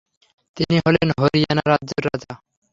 তিনি হলেন হরিয়ানা রাজ্যের রাজা।